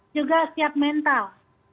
juga siap mental